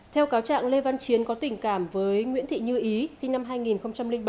theo cáo trạng lê văn chiến có tình cảm với nguyễn thị như ý sinh năm hai nghìn bảy